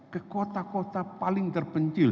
ke kota kota paling terpencil